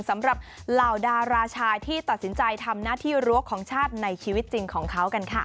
สำหรับเหล่าดาราชายที่ตัดสินใจทำหน้าที่รั้วของชาติในชีวิตจริงของเขากันค่ะ